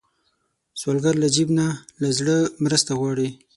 سوالګر له جیب نه، له زړه مرسته غواړي